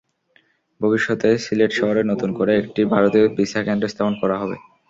ভবিষ্যতে সিলেট শহরে নতুন করে একটি ভারতীয় ভিসা কেন্দ্র স্থাপন করা হবে।